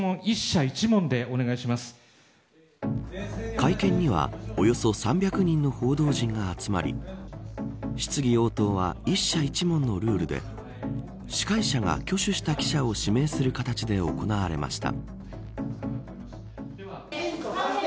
会見にはおよそ３００人の報道陣が集まり質疑応答は１社１問のルールで司会者が挙手した記者を指名する形で行われました。